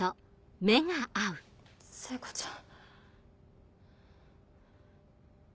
聖子ちゃん。